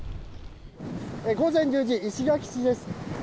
午前１０時石垣市です。